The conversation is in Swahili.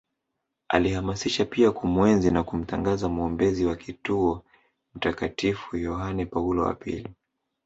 Alihamasisha pia kumuenzi na kumtangaza mwombezi wa kituo Mtakatifu Yahane Paulo wa pili